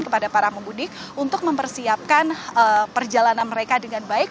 kepada para pemudik untuk mempersiapkan perjalanan mereka dengan baik